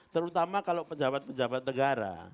terutama kalau pejabat pejabat negara